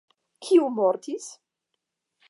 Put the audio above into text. Kiu mortis?